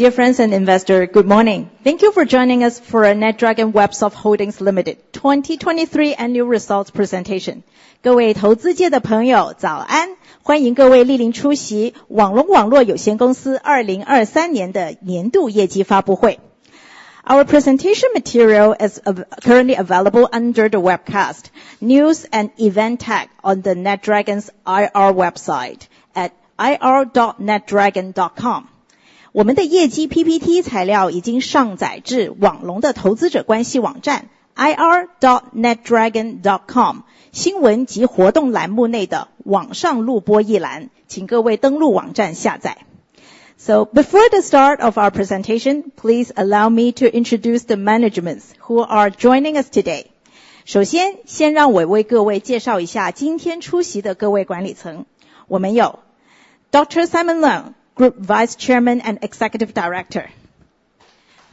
Dear friends and investors, good morning. Thank you for joining us for NetDragon Websoft Holdings Limited 2023 Annual Results Presentation. 各位投资界的朋友早安，欢迎各位莅临出席网龙网络有限公司2023年的年度业绩发布会。Our presentation material is currently available under the webcast "News and Event Tag" on the NetDragon's IR website at ir.netdragon.com. 我们的业绩PPT材料已经上载至网龙的投资者关系网站ir.netdragon.com新闻及活动栏目内的网上录播一栏，请各位登录网站下载。Before the start of our presentation, please allow me to introduce the managements who are joining us today. 首先先让我为各位介绍一下今天出席的各位管理层。我们有Dr. Simon Leung, Group Vice Chairman and Executive Director.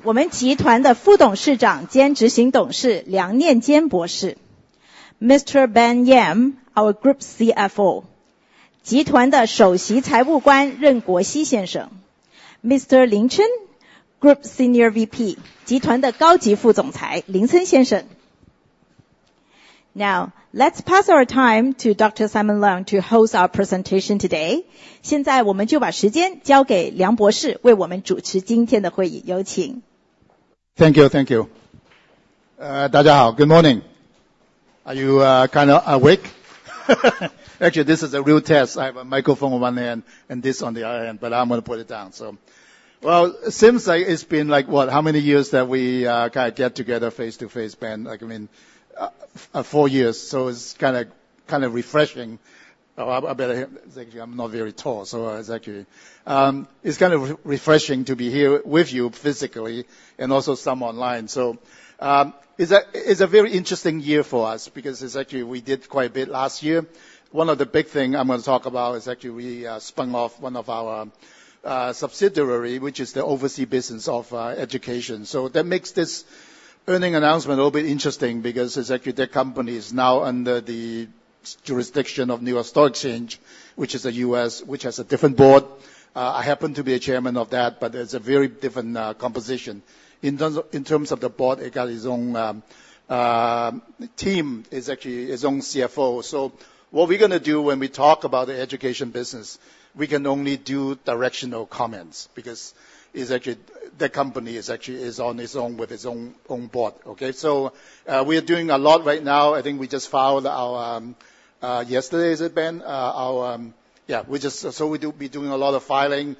我们集团的副董事长兼执行董事梁念坚博士。Mr. Ben Yam, our Group CFO. 集团的首席财务官任国熙先生。Mr. Lin Chen, Group Senior VP. 集团的高级副总裁林森先生。Now let's pass our time to Dr. Simon Leung to host our presentation today. 现在我们就把时间交给梁博士为我们主持今天的会议，有请。Thank you, thank you. 大家好, good morning. Are you kind of awake? Actually, this is a real test. I have a microphone on one hand and this on the other hand, but I'm going to put it down, so. It seems like it's been like, what, how many years that we kind of get together face to face, Ben? I mean, four years, so it's kind of refreshing. Actually, I'm not very tall, so it's actually kind of refreshing to be here with you physically and also some online. It's a very interesting year for us because actually we did quite a bit last year. One of the big things I'm going to talk about is actually we spun off one of our subsidiaries, which is the overseas business of education. That makes this earning announcement a little bit interesting because actually their company is now under the jurisdiction of New York Stock Exchange, which is a US which has a different board. I happen to be a chairman of that, but it's a very different composition. In terms of the board, it got its own team, its own CFO. What we're going to do when we talk about the education business, we can only do directional comments because actually their company is on its own with its own board, okay? We are doing a lot right now. I think we just filed our yesterday is it, Ben? Yeah, so we'll be doing a lot of filing.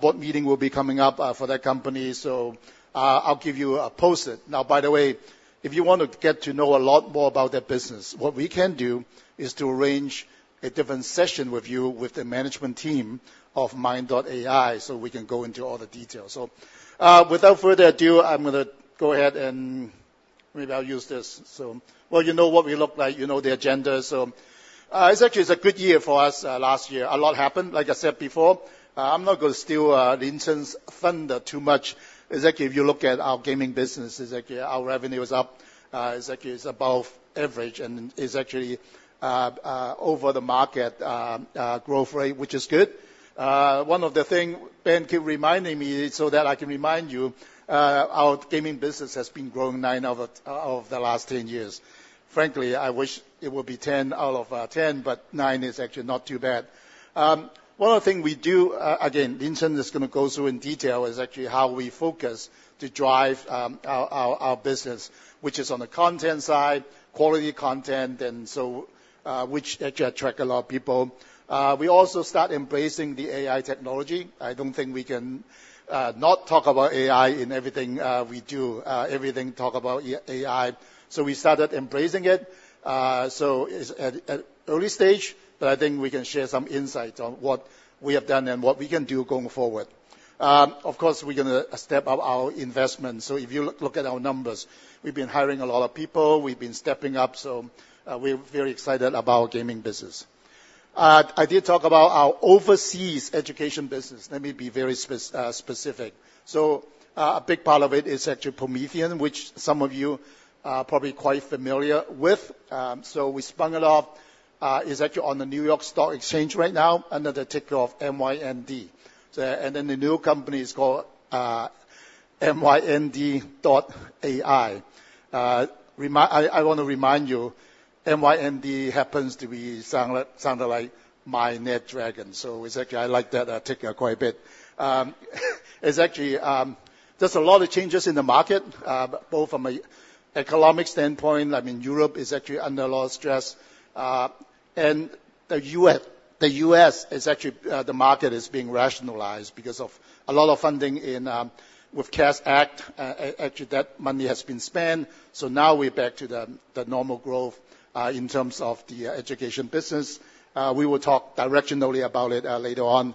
Board meeting will be coming up for that company, so I'll give you a post-it. By the way, if you want to get to know a lot more about their business, what we can do is to arrange a different session with you with the management team of Mind.ai so we can go into all the details. Without further ado, I'm going to go ahead and maybe I'll use this. You know what we look like, you know the agenda. It's actually a good year for us last year. A lot happened, like I said before. I'm not going to steal Lin Xin's thunder too much. Actually, if you look at our gaming business, our revenue is up. It's above average and it's actually over the market growth rate, which is good. One of the things, Ben, keep reminding me so that I can remind you, our gaming business has been growing nine out of the last ten years. Frankly, I wish it would be ten out of ten, but nine is actually not too bad. One of the things we do, again, Lin Xin is going to go through in detail, is actually how we focus to drive our business, which is on the content side, quality content, and so which actually attract a lot of people. We also start embracing the AI technology. I don't think we can not talk about AI in everything we do, everything talk about AI. We started embracing it. It's at early stage, but I think we can share some insights on what we have done and what we can do going forward. Of course, we're going to step up our investment. If you look at our numbers, we've been hiring a lot of people, we've been stepping up, so we're very excited about our gaming business. I did talk about our overseas education business. Let me be very specific. A big part of it is actually Promethean, which some of you are probably quite familiar with. We spun it off. It's actually on the New York Stock Exchange right now under the ticker of MYND. The new company is called MYND.ai. I want to remind you, MYND happens to be sounding like my NetDragon, so actually I like that ticker quite a bit. There's a lot of changes in the market, both from an economic standpoint. I mean, Europe is actually under a lot of stress. The U.S., the market is being rationalized because of a lot of funding with CASS Act. Actually, that money has been spent, so now we're back to the normal growth in terms of the education business. We will talk directionally about it later on.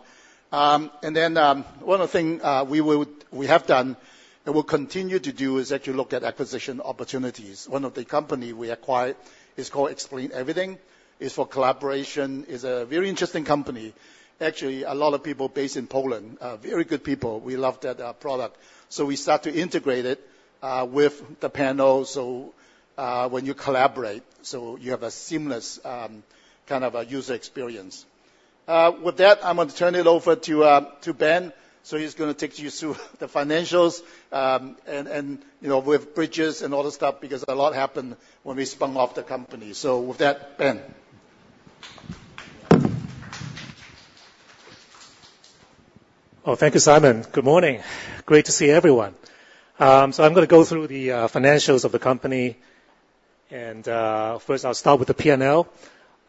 One of the things we have done and will continue to do is actually look at acquisition opportunities. One of the companies we acquired is called Explain Everything. It's for collaboration. It's a very interesting company. Actually, a lot of people based in Poland, very good people, we love that product. We start to integrate it with the panel so when you collaborate, you have a seamless kind of user experience. With that, I'm going to turn it over to Ben. He's going to take you through the financials with bridges and all the stuff because a lot happened when we spun off the company. With that, Ben. Oh, thank you, Simon. Good morning. Great to see everyone. I'm going to go through the financials of the company. First, I'll start with the P&L.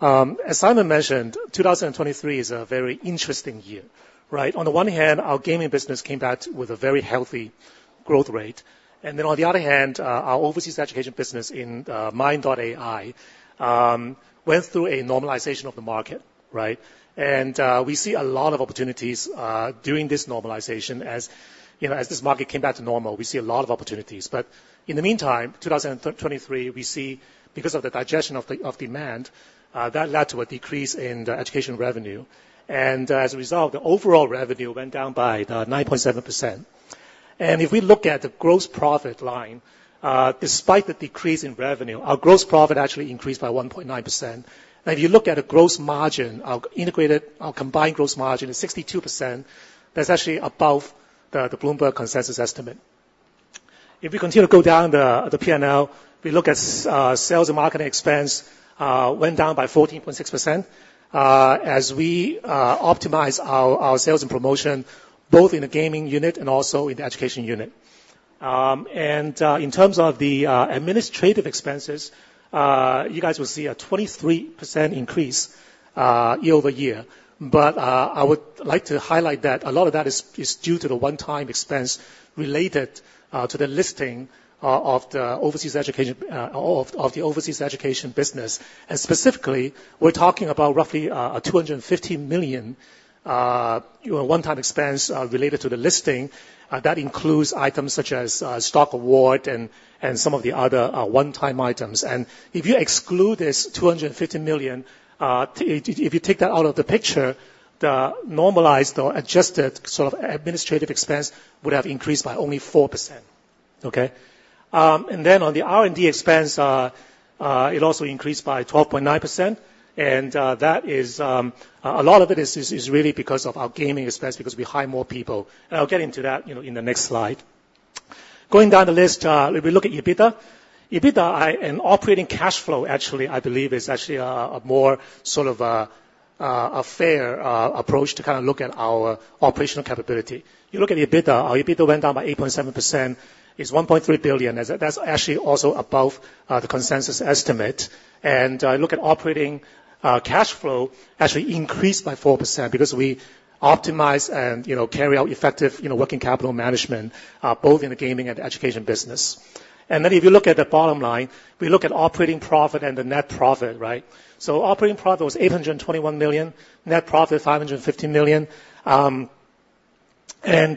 As Simon mentioned, 2023 is a very interesting year. On the one hand, our gaming business came back with a very healthy growth rate. On the other hand, our overseas education business in Mind.ai went through a normalization of the market. We see a lot of opportunities during this normalization. As this market came back to normal, we see a lot of opportunities. In the meantime, 2023, we see because of the digestion of demand, that led to a decrease in the education revenue. As a result, the overall revenue went down by 9.7%. If we look at the gross profit line, despite the decrease in revenue, our gross profit actually increased by 1.9%. If you look at the gross margin, our combined gross margin is 62%. That's actually above the Bloomberg consensus estimate. If we continue to go down the P&L, we look at sales and marketing expense went down by 14.6% as we optimized our sales and promotion, both in the gaming unit and also in the education unit. In terms of the administrative expenses, you guys will see a 23% increase year over year. I would like to highlight that a lot of that is due to the one-time expense related to the listing of the overseas education business. Specifically, we're talking about roughly a $250 million one-time expense related to the listing. That includes items such as Stock Award and some of the other one-time items. If you exclude this $250 million, if you take that out of the picture, the normalized or adjusted sort of administrative expense would have increased by only 4%. On the R&D expense, it also increased by 12.9%. A lot of it is really because of our gaming expense, because we hire more people. I'll get into that in the next slide. Going down the list, if we look at EBITDA, EBITDA and operating cash flow, actually, I believe is actually a more sort of a fair approach to kind of look at our operational capability. You look at EBITDA, our EBITDA went down by 8.7%. It's $1.3 billion. That's actually also above the consensus estimate. I look at operating cash flow, actually increased by 4% because we optimize and carry out effective working capital management, both in the gaming and the education business. If you look at the bottom line, we look at operating profit and the net profit, right? Operating profit was $821 million, net profit $550 million. In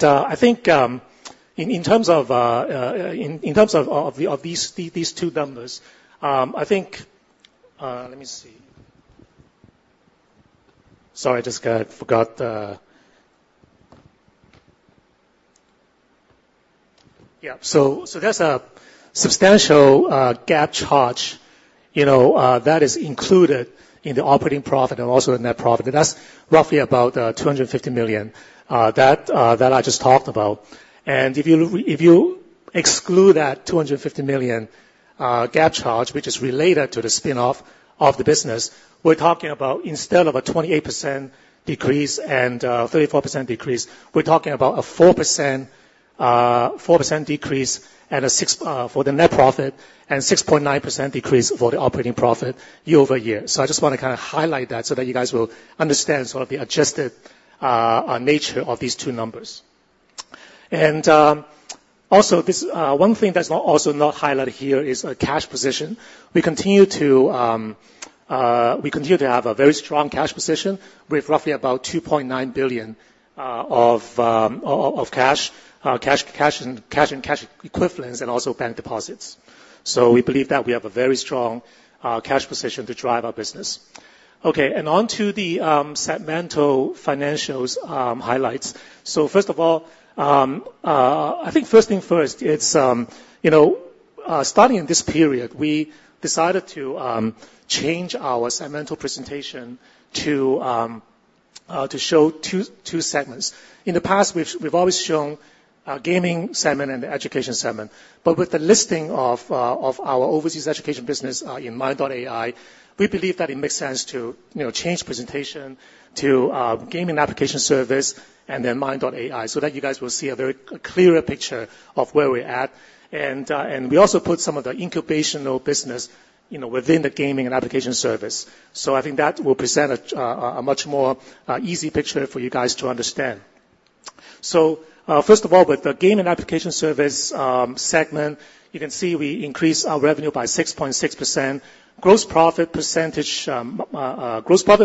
terms of these two numbers, I think let me see. Sorry, I just forgot. Yeah, there's a substantial gap charge that is included in the operating profit and also the net profit. That's roughly about $250 million that I just talked about. If you exclude that $250 million gap charge, which is related to the spinoff of the business, we're talking about instead of a 28% decrease and 34% decrease, we're talking about a 4% decrease for the net profit and 6.9% decrease for the operating profit year over year. I just want to kind of highlight that so that you guys will understand sort of the adjusted nature of these two numbers. One thing that's also not highlighted here is a cash position. We continue to have a very strong cash position with roughly about $2.9 billion of cash and cash equivalents and also bank deposits. We believe that we have a very strong cash position to drive our business. Onto the segmental financials highlights. First of all, I think first thing first, starting in this period, we decided to change our segmental presentation to show two segments. In the past, we've always shown our gaming segment and the education segment. With the listing of our overseas education business in Mind.ai, we believe that it makes sense to change presentation to gaming application service and then Mind.ai so that you guys will see a very clearer picture of where we're at. We also put some of the incubational business within the gaming and application service. I think that will present a much more easy picture for you guys to understand. First of all, with the gaming application service segment, you can see we increased our revenue by 6.6%. Gross profit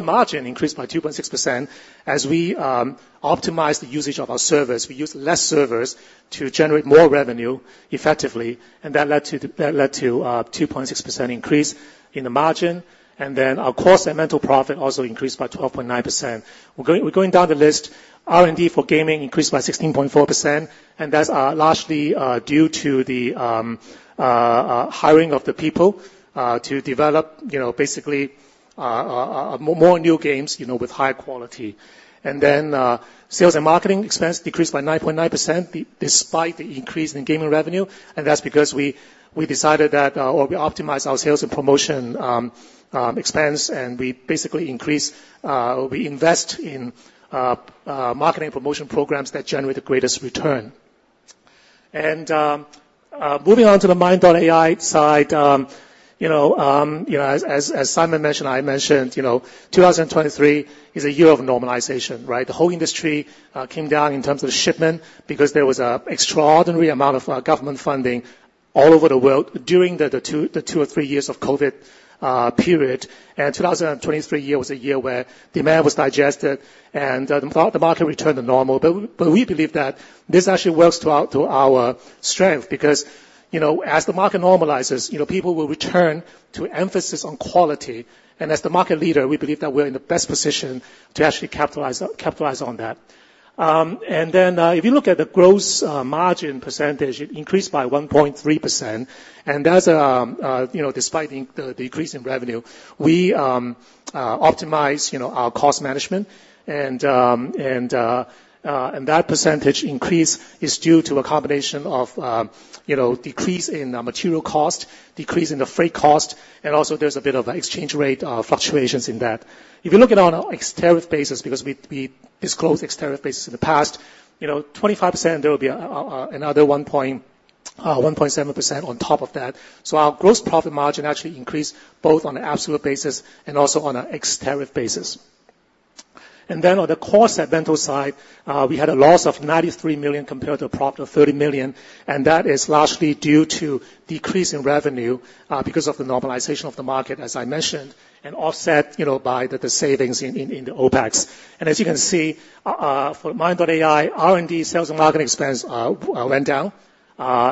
margin increased by 2.6% as we optimized the usage of our servers. We used less servers to generate more revenue effectively, and that led to a 2.6% increase in the margin. Our cross-segmental profit also increased by 12.9%. We're going down the list. R&D for gaming increased by 16.4%, and that's largely due to the hiring of the people to develop basically more new games with higher quality. Sales and marketing expense decreased by 9.9% despite the increase in gaming revenue. That's because we decided that or we optimized our sales and promotion expense, and we basically increased we invest in marketing promotion programs that generate the greatest return. Moving on to the Mind.ai side, as Simon mentioned, I mentioned 2023 is a year of normalization, right? The whole industry came down in terms of the shipment because there was an extraordinary amount of government funding all over the world during the two or three years of COVID period. 2023 year was a year where demand was digested and the market returned to normal. We believe that this actually works to our strength because as the market normalizes, people will return to emphasis on quality. As the market leader, we believe that we're in the best position to actually capitalize on that. If you look at the gross margin percentage, it increased by 1.3%. Despite the decrease in revenue, we optimized our cost management. That percentage increase is due to a combination of decrease in material cost, decrease in the freight cost, and also there's a bit of exchange rate fluctuations in that. If you look at it on an ex-tariff basis because we disclosed ex-tariff basis in the past, 25%, there will be another 1.7% on top of that. Our gross profit margin actually increased both on an absolute basis and also on an ex-tariff basis. On the cross-segmental side, we had a loss of $93 million compared to a profit of $30 million. That is largely due to decrease in revenue because of the normalization of the market, as I mentioned, and offset by the savings in the OPEX. As you can see, for Mind.ai, R&D, sales, and marketing expense went down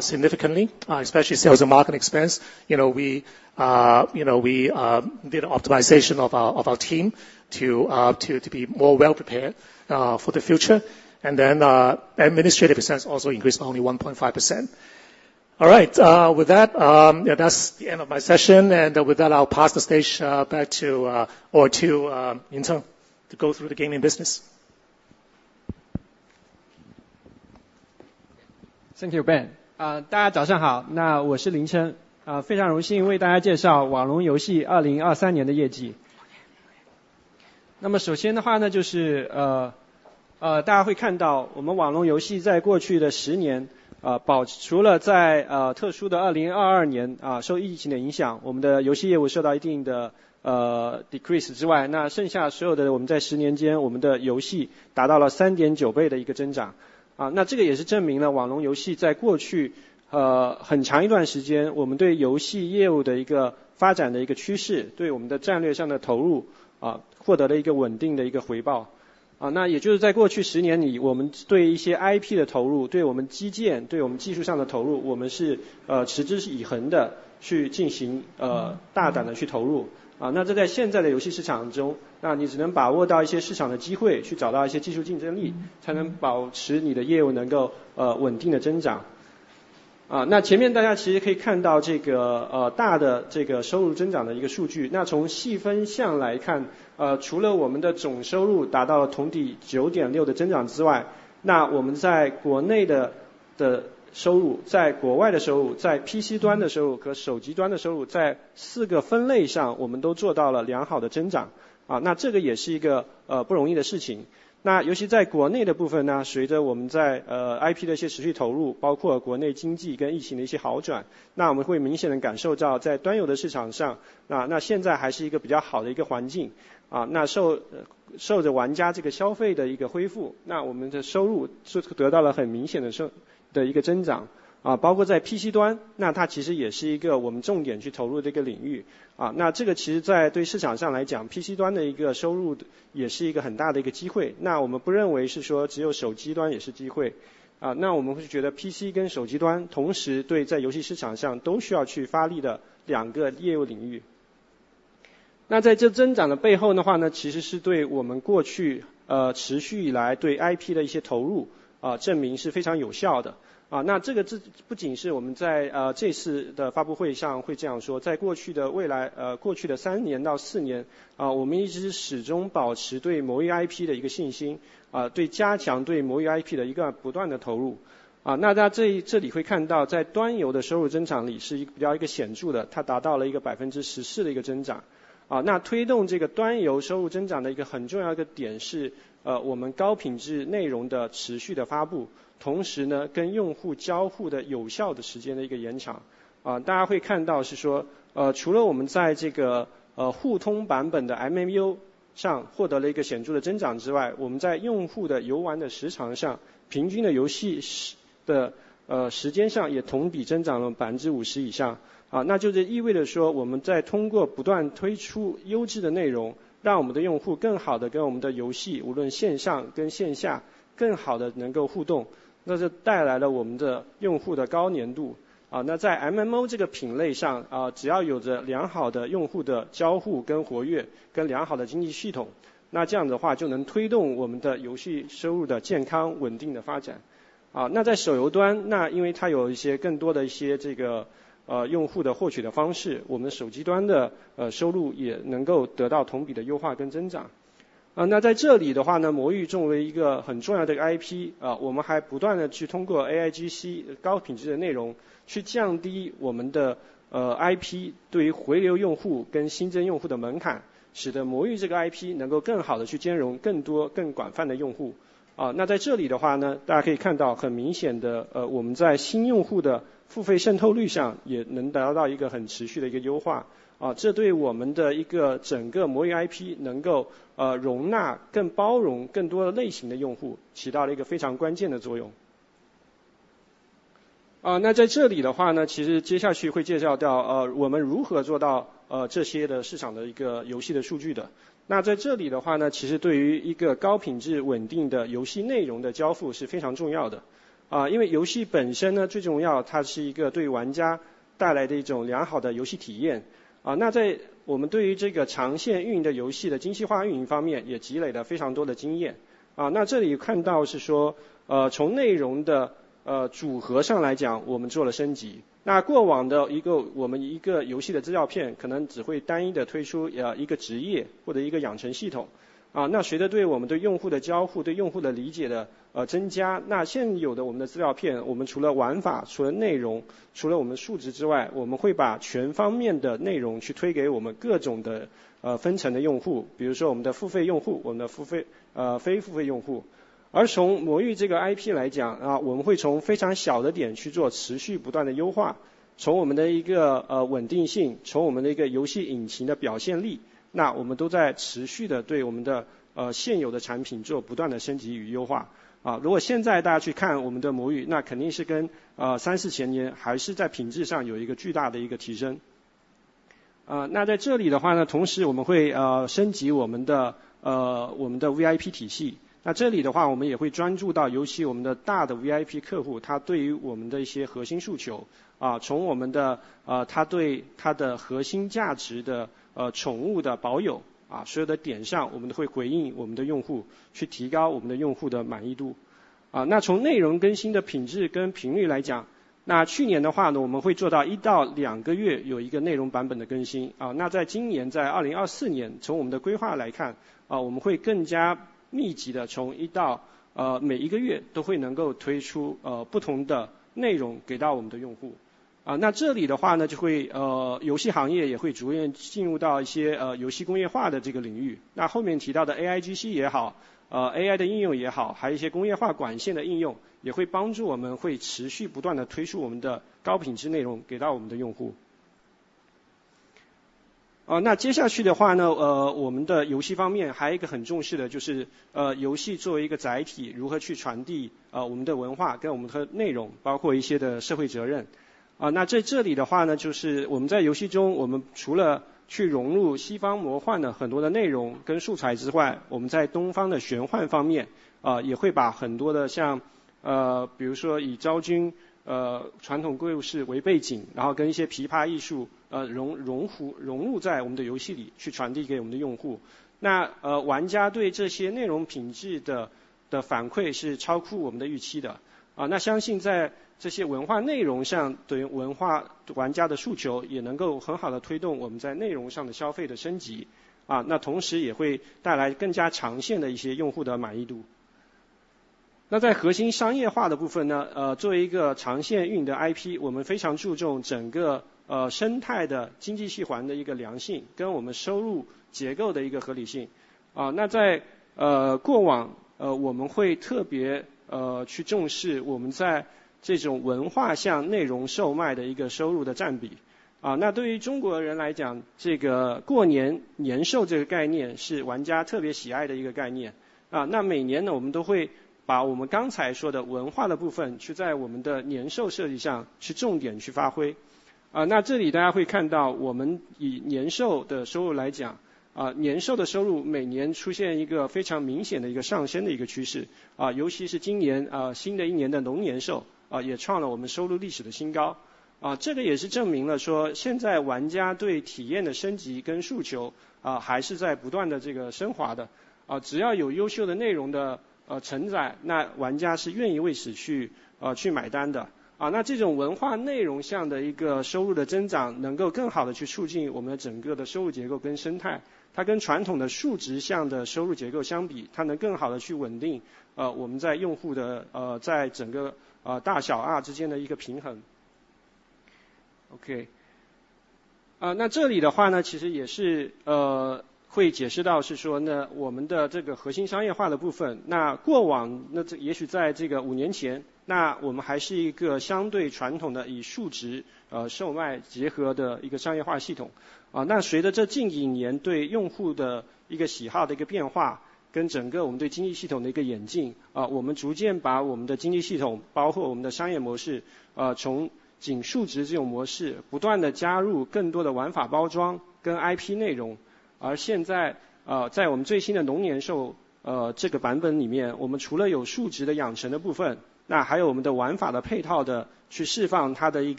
significantly, especially sales and marketing expense. We did an optimization of our team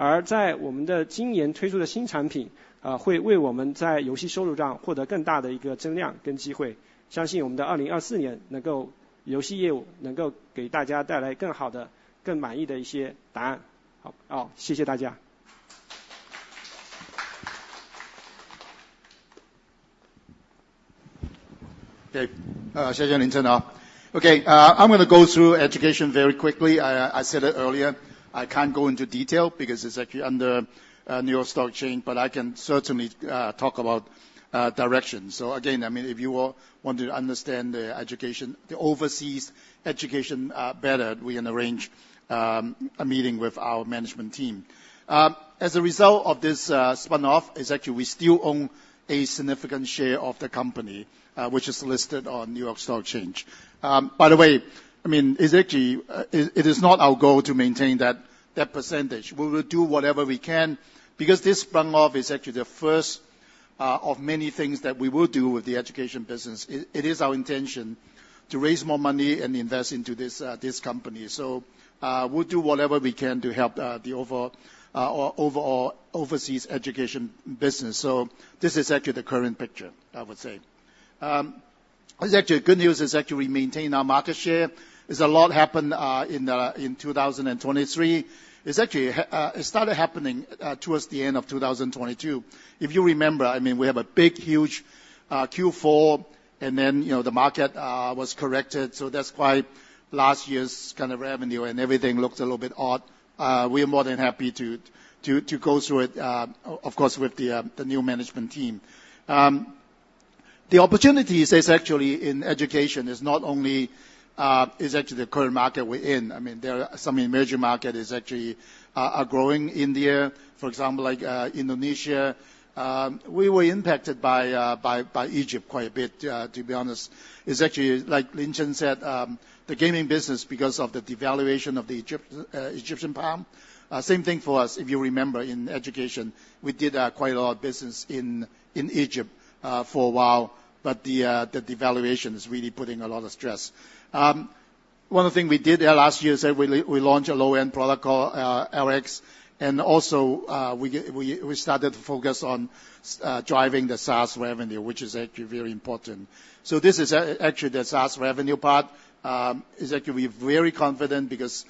I'm going to go through education very quickly. I said it earlier, I can't go into detail because it's actually under New York Stock Exchange, but I can certainly talk about directions. Again, if you all want to understand the education, the overseas education better, we can arrange a meeting with our management team. As a result of this spinoff, we still own a significant share of the company, which is listed on New York Stock Exchange. By the way, it is not our goal to maintain that percentage. We will do whatever we can because this spinoff is actually the first of many things that we will do with the education business. It is our intention to raise more money and invest into this company. We'll do whatever we can to help the overall overseas education business. This is actually the current picture, I would say. The good news is actually we maintain our market share. A lot happened in 2023. It actually started happening towards the end of 2022. If you remember, we have a big, huge Q4 and then the market was corrected. That's quite last year's kind of revenue and everything looked a little bit odd. We are more than happy to go through it, of course, with the new management team. The opportunities in education is not only the current market we're in. There are some emerging markets that are actually growing in there. For example, like Indonesia, we were impacted by Egypt quite a bit, to be honest. Like Lin Chen said, the gaming business because of the devaluation of the Egyptian pound. Same thing for us. If you remember in education, we did quite a lot of business in Egypt for a while, but the devaluation is really putting a lot of stress. One of the things we did last year is that we launched a low-end protocol, LX, and also we started to focus on driving the SaaS revenue, which is actually very important. This is actually the SaaS revenue part. We're very confident because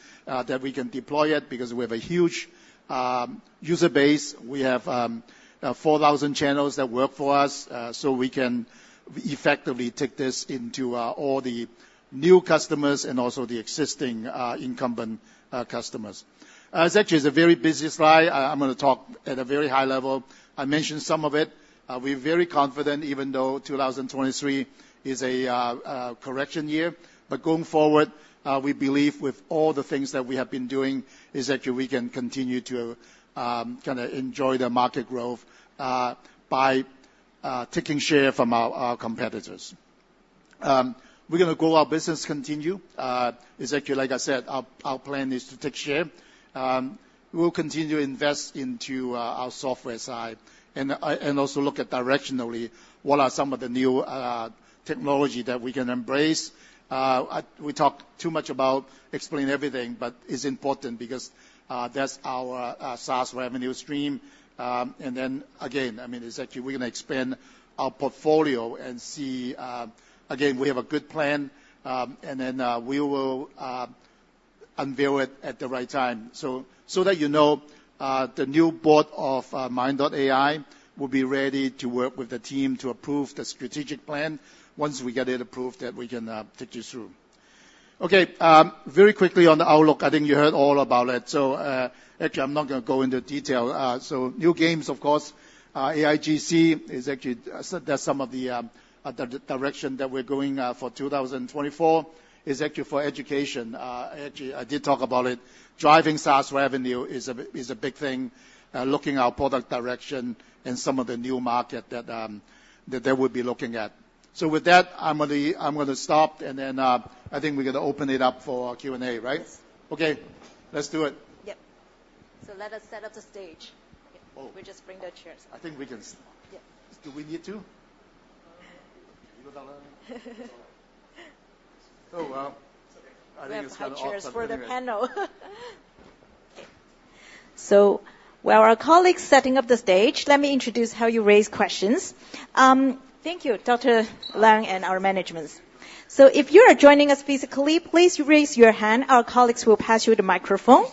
we can deploy it because we have a huge user base. We have 4,000 channels that work for us. We can effectively take this into all the new customers and also the existing incumbent customers. It's actually a very busy slide. I'm going to talk at a very high level. I mentioned some of it. We're very confident even though 2023 is a correction year. But going forward, we believe with all the things that we have been doing we can continue to kind of enjoy the market growth by taking share from our competitors. We're going to grow our business continue. Like I said, our plan is to take share. We'll continue to invest into our software side and also look at directionally what are some of the new technology that we can embrace. We talk too much about explaining everything, but it's important because that's our SaaS revenue stream. Again, we're going to expand our portfolio and see again, we have a good plan and then we will unveil it at the right time. The new board of Mind.ai will be ready to work with the team to approve the strategic plan. Once we get it approved, we can take you through. Very quickly on the outlook. I think you heard all about it. I'm not going to go into detail. New games, of course, AIGC is actually that's some of the direction that we're going for 2024 for education. I did talk about it. Driving SaaS revenue is a big thing, looking at our product direction and some of the new market that we'll be looking at. With that, I'm going to stop and then I think we're going to open it up for Q&A, right? Yes. Okay, let's do it. Yes. So let us set up the stage. We just bring the chairs. I think we can start. Do we need to? Oh well. It's okay. I think it's kind of okay. We have two chairs for the panel. Okay. So while our colleagues are setting up the stage, let me introduce how you raise questions. Thank you, Dr. Lang and our management. So if you are joining us physically, please raise your hand. Our colleagues will pass you the microphone.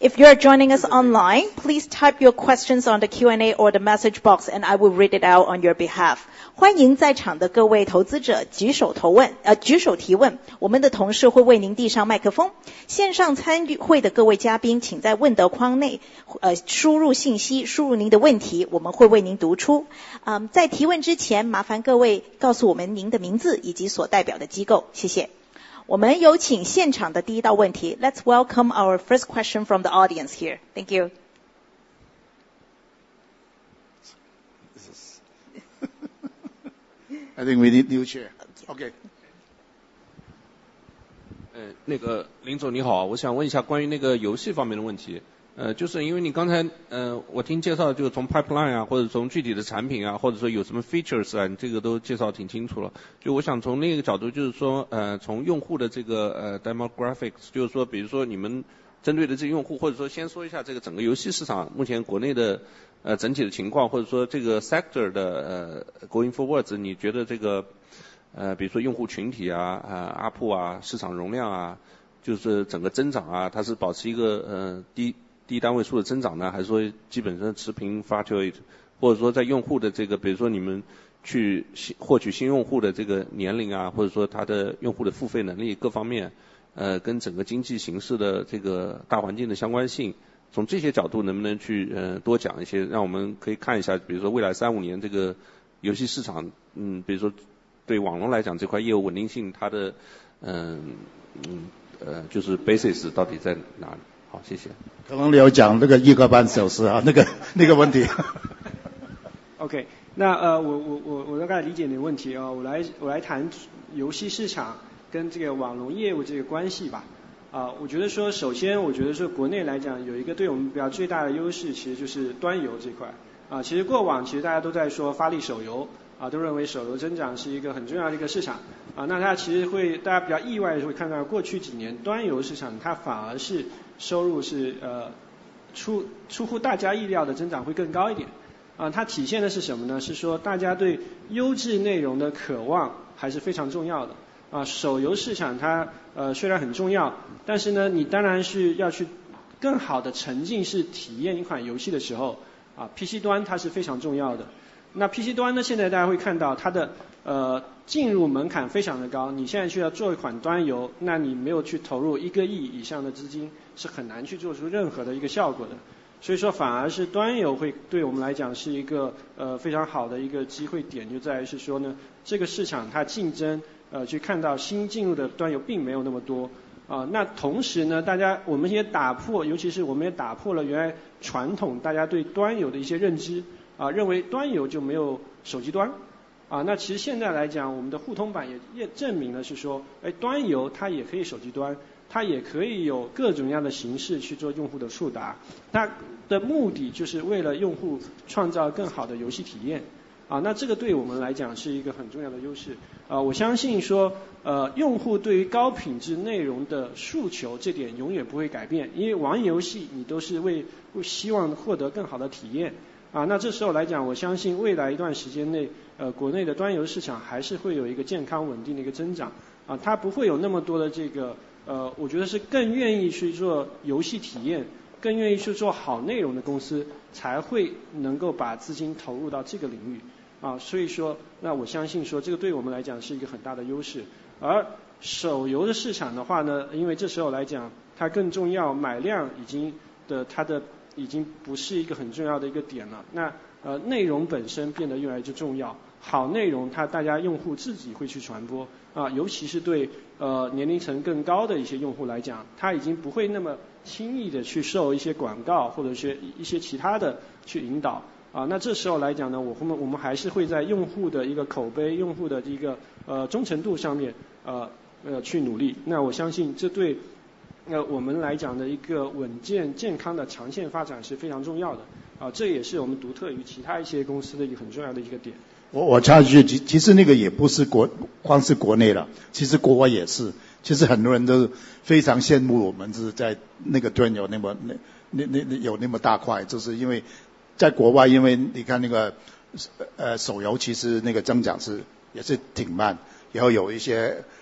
If you are joining us online, please type your questions on the Q&A or the message box and I will read it out on your behalf. 欢迎在场的各位投资者举手提问。我们的同事会为您递上麦克风。线上参与会的各位嘉宾，请在问答框内输入信息，输入您的问题，我们会为您读出。在提问之前，麻烦各位告诉我们您的名字以及所代表的机构。谢谢。我们有请现场的第一道问题。Let's welcome our first question from the audience here. Thank you. I think we need a new chair. Okay. forwards，您觉得比如说用户群体、ARPU、市场容量，整个增长，它是保持一个低单位数的增长呢，还是说基本上持平fluctuate？或者说在用户的比如说您们去获取新用户的年龄，或者说他的用户的付费能力各方面，跟整个经济形势的大环境的相关性，从这些角度能不能多讲一些，让我们可以看一下比如说未来三五年这个游戏市场，比如说对网易来讲这块业务稳定性，它的basis到底在哪里？谢谢。可能你要讲这个一个半小时那个问题。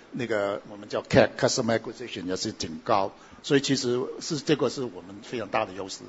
我插一句，其实那个也不是光是国内了，其实国外也是。其实很多人都非常羡慕我们是在那个端有那么大块，就是因为在国外因为你看那个手游其实那个增长也是挺慢，然后有一些那个我们叫CAC，Customer Acquisition也是挺高。所以其实这个是我们非常大的优势。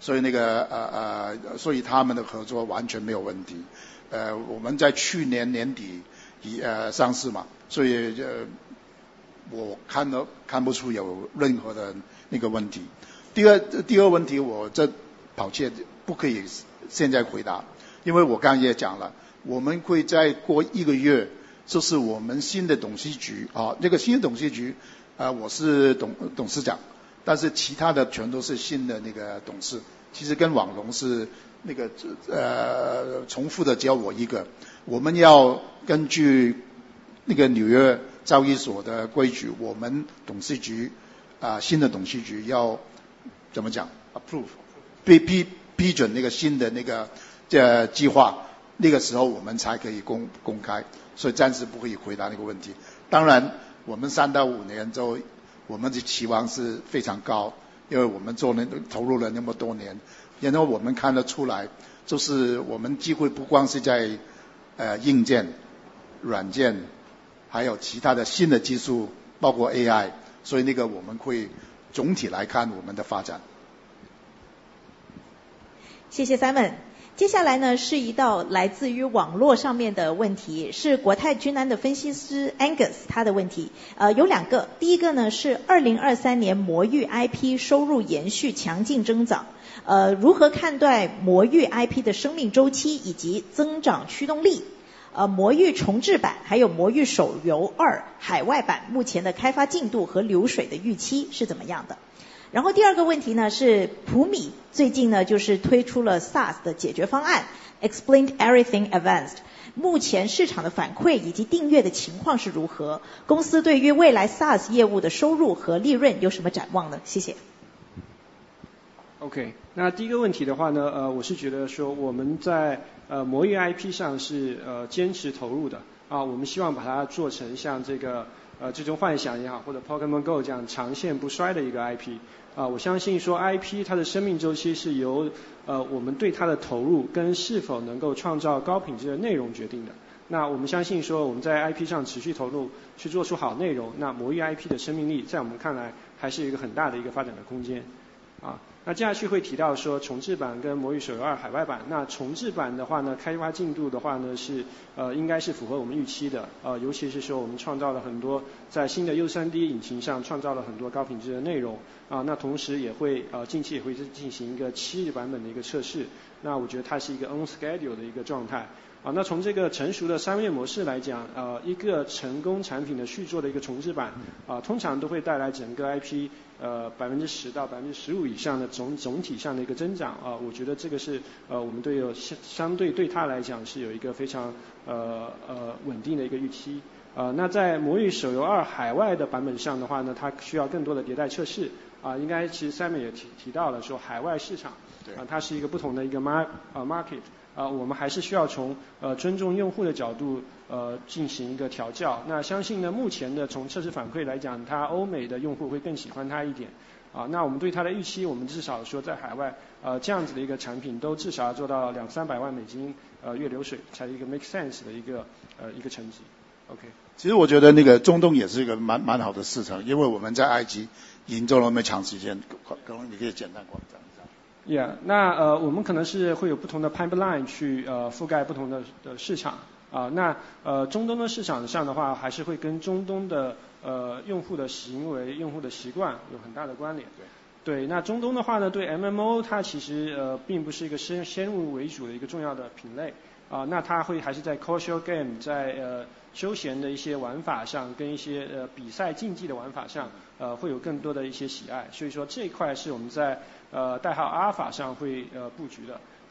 Okay，这个问得非常好。其实你看看我们所谓的新的团队就是我们旧的团队，其实我们的变化不是很大，但是我们有一个新的CFO，因为以前是在我们直接我们100%拥有的一个公司，所以在财务方面很多结构就不用那么复杂。所以我们现在是一个独立的公司，有它完全团队，但是CEO还是同一个，HR还是同一个，法律也还是同一个，我们做产品还是同一个。这加了一个新的CFO，CFO以前在一个上市公司，然后在瑞瑞也待过一段时间。所以其实在团队来讲变化不大，所以他们的合作完全没有问题。我们在去年年底上市，所以我看不出有任何的问题。Everything Advanced，目前市场的反馈以及订阅的情况是如何？公司对于未来SaaS业务的收入和利润有什么展望呢？谢谢。好的，第一个问题的话我觉得我们在魔芋IP上是坚持投入的，我们希望把它做成像幻想也好，或者Pokémon schedule的状态。从这个成熟的三月模式来讲，一个成功产品的续作的重制版通常都会带来整个IP sense的成绩。Okay，其实我觉得中东也是一个蛮好的市场，因为我们在埃及营造了那么长时间，可能你可以简单跟我们讲一下。那我们可能是会有不同的pipeline去覆盖不同的市场。那中东的市场上的话还是会跟中东的用户的行为、用户的习惯有很大的关联。对，那中东的话对MMO它其实并不是一个先入为主的一个重要的品类。那它会还是在casual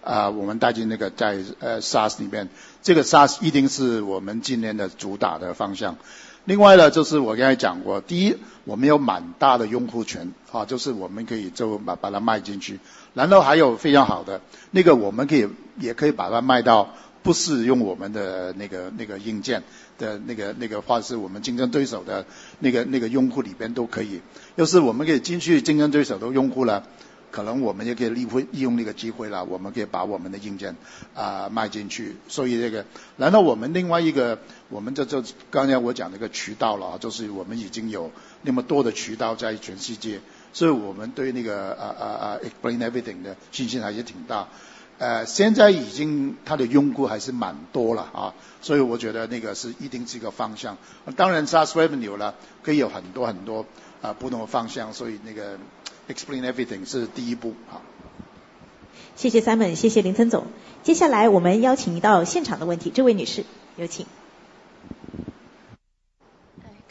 game，在休闲的一些玩法上跟一些比赛竞技的玩法上会有更多的一些喜爱。所以说这一块是我们在代号Alpha上会布局的。那欧美的话还是对RPG这种代入感还是会有更好的诉求。所以说我们也会在通过魔芋这个IP会更好地去跟那一部分的用户做一些契合。对。那个在那个 Explained Everything 我就可以放心来讲那个事情。第一就是我们把它收购进来，当然我们对那个公司或者是它在那个领域我们很有兴趣，因为可以很快帮我们带进那个在 SaaS 里面。这个 SaaS 一定是我们今年的主打的方向。另外就是我刚才讲过，第一我们有蛮大的用户群，就是我们可以把它卖进去。然后还有非常好的，那个我们也可以把它卖到不使用我们的硬件的或者是我们竞争对手的那个用户里面都可以。就是我们可以进去竞争对手的用户了，可能我们也可以利用那个机会了，我们可以把我们的硬件卖进去。然后我们另外一个我们刚才我讲的一个渠道了，就是我们已经有那么多的渠道在全世界，所以我们对那个 Explained Everything 的信心还是挺大。现在已经它的用户还是蛮多了，所以我觉得那个是一定是一个方向。当然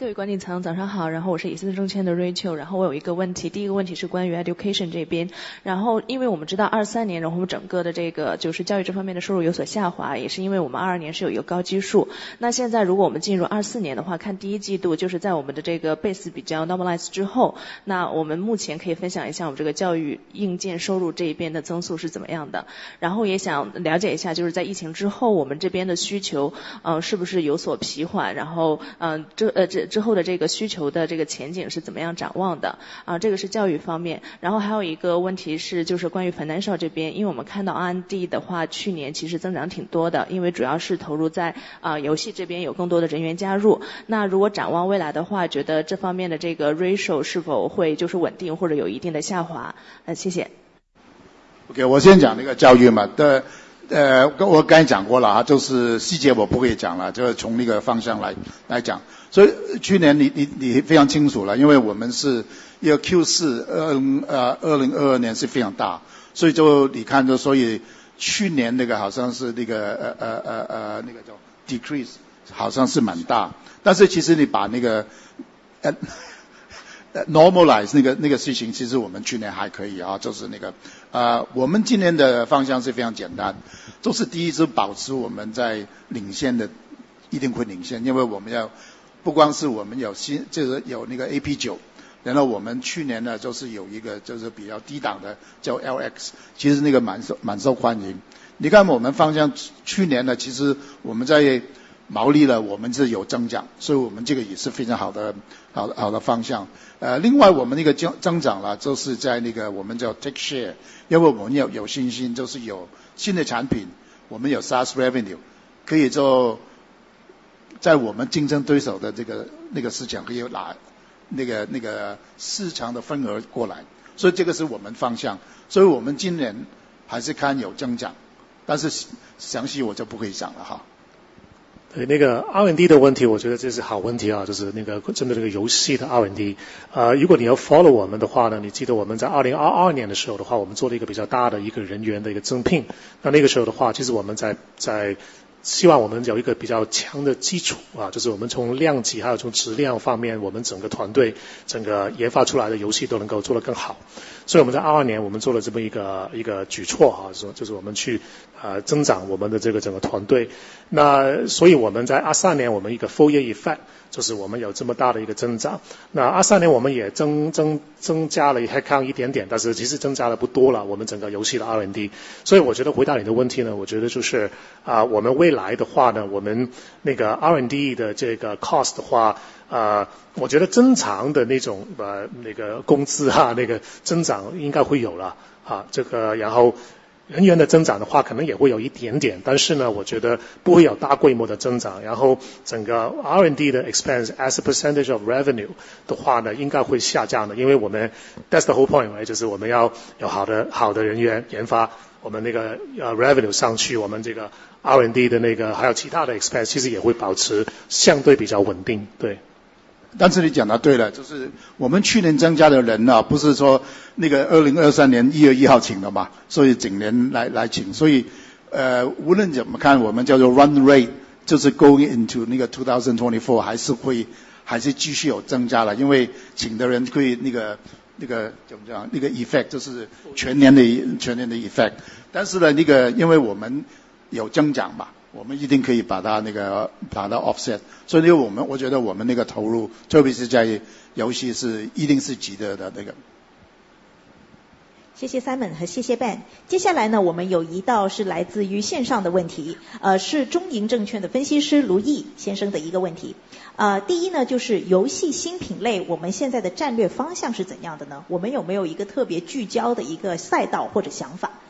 SaaS revenue 可以有很多很多不同的方向，所以那个 Explained Everything 是第一步。谢谢Simon，谢谢林正总。接下来我们邀请一道现场的问题，这位女士，有请。share，因为我们有信心就是有新的产品，我们有SaaS revenue，可以做在我们竞争对手的市场可以拿那个市场的份额过来。所以这个是我们方向。所以我们今年还是看有增长，但是详细我就不会讲了。对，那个R&D的问题我觉得这是好问题，就是针对那个游戏的R&D。如果你要follow我们的话，你记得我们在2022年的时候，我们做了一个比较大的人员增聘。那个时候其实我们希望我们有一个比较强的基础，就是我们从量级还有从质量方面，我们整个团队整个研发出来的游戏都能够做得更好。所以我们在2022年我们做了这么一个举措，就是我们去增长我们的整个团队。所以我们在2023年我们一个full year effect，就是我们有这么大的一个增长。2023年我们也增加了headcount一点点，但是其实增加得不多，我们整个游戏的R&D。所以我觉得回答你的问题，我觉得就是我们未来的话，我们那个R&D的cost，我觉得正常的那种工资增长应该会有。然后人员的增长的话可能也会有一点点，但是我觉得不会有大规模的增长。然后整个R&D的expense as a percentage of revenue的话应该会下降的，因为我们that's the whole point，就是我们要有好的人员研发，我们那个revenue上去，我们这个R&D的还有其他的expense其实也会保持相对比较稳定。但是你讲得对了，就是我们去年增加的人不是说那个2023年1月1号请的嘛，所以整年来请。所以无论怎么看我们叫做run rate，就是going into 2024还是会还是继续有增加了，因为请的人会那个怎么讲，那个effect就是全年的effect。但是那个因为我们有增长嘛，我们一定可以把它那个把它offset。所以我觉得我们那个投入特别是在游戏是一定是值得的那个。谢谢Simon和谢谢Ben。接下来我们有一道是来自于线上的问题，是中银证券的分析师卢毅先生的一个问题。第一就是游戏新品类我们现在的战略方向是怎样的呢？我们有没有一个特别聚焦的一个赛道或者想法？第二就是AI教育我们现在的AI产品进入到我们平板的这个进度如何？然后有哪些功能已经落地了？然后第三就是说近期我们也和沙特达成了一个战略的合作，可不可以聊一聊一个具体的一个项目？然后未来我们在中东领域还有哪些布局呢？谢谢。我先回答那个教育的问题嘛。那个AI一定是方向，但是我刚才讲过了，就是因为有董事局要把整个那个我们计划来批，我希望批了以后我们详细来跟大家谈。但是你看我们公司叫做Mind.ai，要是不做AI可能有点问题了。再讲那个中东，其实我们整个公司不光是在教育，其实在游戏跟教育还有我们一些叫我们在孵化的那个业务，我们都看重那个中东。回答归讲，先从游戏来讲，你看这个最近那个沙特投很多钱去买公司那些，然后它又有很多优惠在里面。其实开会之前我这个跟林正在聊那个事情，怎么去往沙特走一趟，因为那个有很多优惠，他们也吸引很多人要过去。你看看其实整个中东人口也不小，所以这个我觉得一定是机会。教育绝对是机会，因为那次在沙特可能你们听到我们有签，就是Ben跟我都在一起就过去，我也跟那个他们的教育部长，他们那个叫做Royal Commission那次投就碰过面，他们一定有很大的需求。所以那个我们就跟他签了合约，就各方面不光是在那个大屏那些，其实我们签的那个约还是挺广的。我们签了两个MOU嘛，对不对？一个是那个我们跟他那个职业培训那个机构来签一个约，就是Ben去签的。所以那个我们要全面的合作。另外就是跟那个Royal Commission也签了，就是到时候一定会有好消息跟大家报告。好的，那前面游戏的问题是关于这个品类的聚焦问题的话，我们目前来讲主要还是聚焦于两个赛道，一个就是MMO，那另外一个的话就是这个MOBA。那先说MMO，那MMO除了现有的我们做的MMO赛道的产品之外的话，我们也会往两个MMO的细分的方向去发力。第一个可能就是MMO的轻度化，就我们会做放置卡牌，因为它本质还是在MMO的社交养成上如何去把游戏做得更轻，去满足喜欢MMO体验但可能没有那么多时间的这些用户的一个诉求。那另外一个方向肯定就是往这个上次我们就有提到的基于智能NPC的开放世界MMO这个方向去发力。在我们看来可能是下一代的MMO，那同时的话它也有可能衍生出这个元宇宙的机会。那目前来讲我们也在跟一些IP去合作，去有机会去打造这个下一代的元宇宙产品。那这个是MMO赛道的布局。而MOBA赛道的话，它其实我们可以理解为是一个多人竞技的一个品类。那除了在现有的MOBA赛道上，比如说我们会做中东的一个定制也好，还是说我们会去做这个俯视角射击的一个竞技也好，那这些都是我们对多人竞技这种大DAU产品这个赛道的布局。所以说对我们来讲目前我们还是会专注到我们比较相对比较擅长的这两个方向上去。谢谢林正总，谢谢Simon。我们看看现场的各位有没有什么问题，我们也可以再跟我们管理层交流一下。好，没有问题。我们现在还有一道是来自于广发杨玲玲女士的一个问题，她希望能了解一下我们现在在国内的一个教育业务，我们的战略是怎么样考量的未来。然后第二还是大家还是很关心说我们教育业务整体来说一个增长的展望，还有一个盈利的展望，对，还是十分关心这个问题。先回答后面的问题比较简单，因为我目前来讲我不可以透露，但给我们一点点的时间。其实我们在国内也做一个，我们有一个大的概念，其实我们也做了一个白皮书，就是一个我们叫做EDA，就是我们叫Emodo Academy的概念。其实里面包括很多很多的东西，包括有区块链在里面，也有元宇宙在里面。其实我们就有一个平台，其实我们在国内就跟政府很多合作。其实我们对那个方向是充满了信心。所以其实比如说我去中东，其实不光是要看那些大屏那个事情，是代表整个公司网络公司去看，我们可以把是不是可以跟当地的政府合作还是怎么样，我们把整个概念把它带到沙特或者到中东。其实我们讲那边就会比较多一点，其实我们有其他的国家，可能你们很快会听到我们也会跟他们合作，做一个比较把我们整个所谓的EDA的一个概念，以后是不是叫做EDA是另外一回事，是一个概念，就是一个Academy总体的，有我们有平台，有很多内容，有元宇宙在里面。所以所有的很多同学可以在一起来学习，然后交流，就是把所有的事情也放进去。其实可能我们也把它里面一些学习游戏化，所以我们觉得那个方向是对的，所以我们一步一步往那边来走。其实有一些你看到我们增加的一个投入，其实也在那边，或者是我是扯开一点来讲。所以可能最近你看到我们在那个是去年，我们投了两个公司，我们不是把它买过来，是投资，一个叫做Rockit，那么巧两个公司都在杭州，一个是做那个AR的眼镜，叫Rockit。其实最近的增长非常快，因为我们觉得那个AR会在学习里面，特别是在职业培训，会占一个非常重要的位置。我们有软件，我们可能有内容，但是我们还需要一些硬件来配合我们，就是那个Rockit。另外一个公司也是在那边做那个live streaming，叫做直播的事情，然后他们也跟那个抖音或者是在国外跟TikTok的合作非常密切。因为我们觉得在做元宇宙也好，以后的教育从某个角度那个游戏直播可能会蛮有趣的一个business model，也可能要看看一些技术，所以我们也投进去了，就去年也是大概是。去年差不多。对，所以我们现在是这样子，我们会很注重在做游戏跟教育，但是我们也看一些特别的技术，然后那些技术可以帮助我们在游戏或者是帮助我们在教育来发展。谢谢，有请这位女士的提问。好的，领导层好，感谢Zero的提问。我是华孚证券的互联网研究员马子燕。首先我们也观察到我们可能2024年可能会上很多的新产品，那我们在推广费用方面可能会有一个怎么样的考量呢？第二个问题，因为咱们公司是端游和手游同时发展的，那我们也能观察到现在可能手游的市场也是越来越卷的。那在这两方面公司有没有一些侧重或者想法以及怎么平衡的呢？这两个问题，谢谢管理层。好的，那我觉得这不同的市场的情况不太一样。可能先说这个魔域IP来讲，就我首先提到的这个重制版。那重制版我刚才说的它是一个端游的市场，那尤其我们还是去面向我们的这个IP用户，它跟传统的这种买量发行的概念可能还是不太一样。那主要还是靠着我们的品宣，通过用户的老用户的预约这方面去做推广。所以说在这块上的这个我相信它不是那种买量回本周期比较长的一个生意，相信这个我们的回本周期是控制在三到六个月这个相对健康的一个周期之内。那对于海外发行情况就可能不太一样了，因为海外发行作为一个比如说我们没有IP的产品，那它前期的买量投入还是会比较大一些。但是相对来讲在MMO这个赛道上这个不同于其他品类，那可能SLG会更长，但是MMO基本上还是保我们会维持在六个月，至少不会超过六个月的一样这样的产品。而今年可能一个重头的一个代号Alpha，那它其实休闲社交它反而是另外一个赛道的情况，因为它如果是有社交传播性，包括有当地有品牌推广的情况下，它的裂变的速度还是比较快的。那所以说的话，我相信说在今年我们的整个推广投入应该会有增长，但是对我们来讲不是有那么大的一个负担。那尤其是说我们还有很多产品能够线下去做相互一些相互推荐，包括我们有一些用户的社群是可以做分享的，它是可以用新带老的这种方式去做的。我相信不会说像其他的买量型公司在短期之内给我们的这个财务报表上有很大的压力。对，其实我们是比较好的，老实讲这个你看其他的游戏公司特别是在做手游那个压力是真的是挺大的。谢谢林正总，谢谢Simon。接下来我们再看看现场的各位有没有其他的问题。好的，谢谢各位。那我们今天的发布会已经圆满地结束了，感谢各位投资者今天的参加。我们在现场为各位准备了我们的旗舰产品普米的一个互动显示屏，还有Explain Everything的软件的产品的展示。那欢迎各位移步到我们的这个展览区来进行一个参观跟学习。谢谢，谢谢各位，祝各位有美好的一天。谢谢，辛苦辛苦。谢谢谢谢。谢谢。